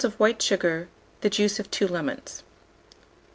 of white sugar, the juice of 2 lemons.